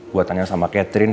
gue tanya sama catherine